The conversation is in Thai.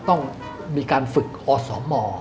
ต้องมีการฝึกอสม